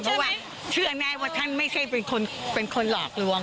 เพราะว่าเชื่อแน่ว่าท่านไม่ใช่เป็นคนหลอกลวง